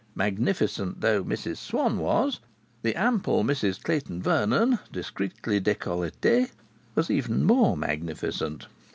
Magnificent though Mrs Swann was, the ample Mrs Clayton Vernon, discreetly décolletée, was even more magnificent.